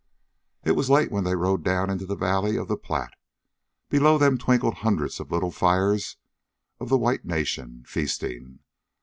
It was late when they rode down into the valley of the Platte. Below them twinkled hundreds of little fires of the white nation, feasting.